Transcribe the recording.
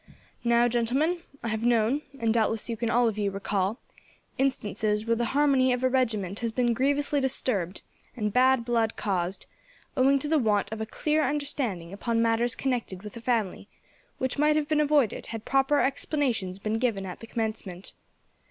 "Now, gentlemen, I have known, and doubtless you can all of you recall, instances where the harmony of a regiment has been grievously disturbed, and bad blood caused, owing to the want of a clear understanding upon matters connected with a family; which might have been avoided, had proper explanations been given at the commencement.